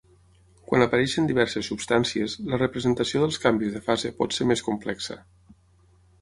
Quan apareixen diverses substàncies, la representació dels canvis de fase pot ser més complexa.